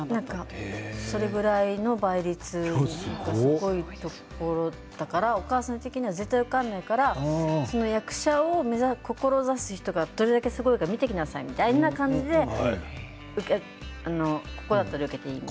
それぐらい倍率がすごいところだからお母さん的には絶対に受からないから役者を志す人がどれだけすごいか見てきなさいみたいなここだったら受けていいって。